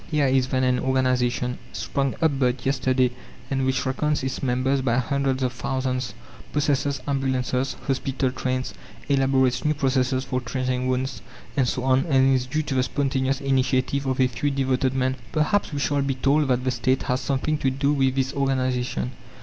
Here is then an organization, sprung up but yesterday, and which reckons its members by hundreds of thousands; possesses ambulances, hospital trains, elaborates new processes for treating wounds, and so on, and is due to the spontaneous initiative of a few devoted men. Perhaps we shall be told that the State has something to do with this organization.